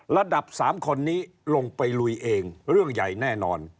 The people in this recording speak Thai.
ระดับ๓คนนี้ลงไปลุยเองเรื่องใหญ่แน่นอน